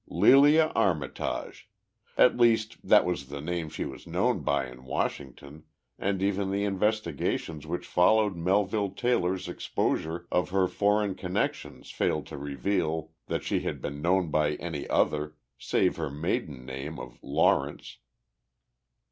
"Lelia Armitage. At least that was the name she was known by in Washington, and even the investigations which followed Melville Taylor's exposure of her foreign connections failed to reveal that she had been known by any other, save her maiden name of Lawrence."